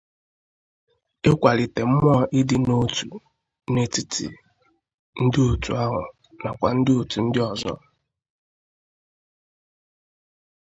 ịkwalite mmụọ ịdị n'ótù n'etiti ndị òtù ahụ nakwa òtù ndị ọzọ